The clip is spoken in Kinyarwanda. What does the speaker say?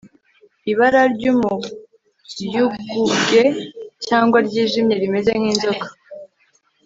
ibara ry'umuyugubwe cyangwa ryijimye, rimeze nk'inzoka